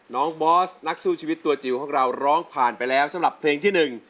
บอสนักสู้ชีวิตตัวจิ๋วของเราร้องผ่านไปแล้วสำหรับเพลงที่หนึ่ง